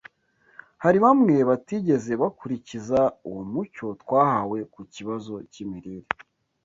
Hari bamwe batigeze bakurikiza uwo mucyo twahawe ku kibazo cy’imirire